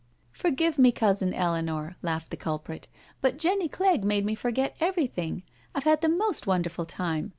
" Forgive me. Cousin Eleanor," laughed the culprit. •• But Jenny Clegg made me forget everything. I've had the most wonderful time.